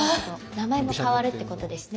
名前も変わるってことですね？